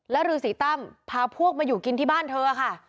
แล้วรือสีตั้มพาพวกมาอยู่กินที่บ้านเธอค่ะ